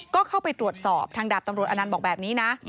ก็เข้าไปตรวจสอบทางดาบตำรวจอนันต์บอกแบบนี้นะ